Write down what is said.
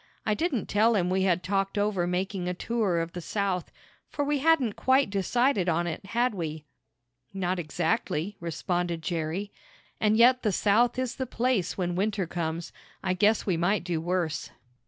I didn't tell him we had talked over making a tour of the South, for we hadn't quite decided on it; had we?" "Not exactly," responded Jerry. "And yet the South is the place when winter comes. I guess we might do worse."